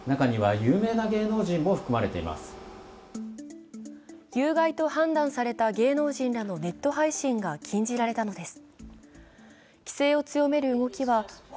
有害と判断された芸能人らのネット配信が禁じられたのです。